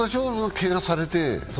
けがされて。